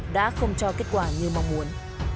đã không cho kết quả như mong muốn